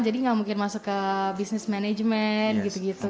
jadi nggak mungkin masuk ke bisnis manajemen gitu gitu